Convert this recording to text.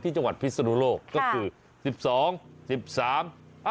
ที่จวระพิสุนโลกก็คือสิบสองสิบสาม